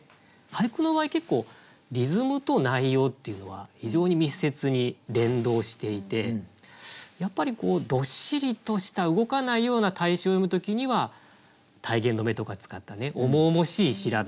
俳句の場合結構リズムと内容っていうのは非常に密接に連動していてやっぱりどっしりとした動かないような対象を詠む時には体言止めとか使った重々しい調べがかなってますし